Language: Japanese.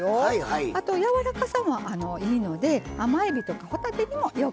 あとやわらかさもいいので甘えびとかほたてにもよく合います。